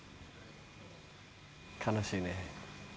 悲しいね。